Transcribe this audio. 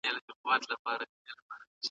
د ریا لپاره خیرات مه ورکوئ.